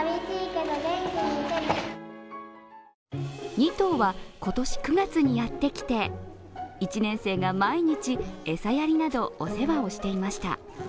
２頭は今年９月にやってきて、１年生が毎日、餌やりなどお世話をしていました。